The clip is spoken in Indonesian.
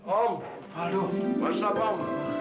om masak om